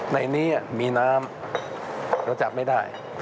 ในนี้มีน้ำเราจับไม่ได้